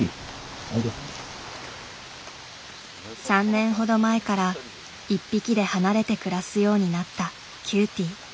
３年ほど前から一匹で離れて暮らすようになったキューティー。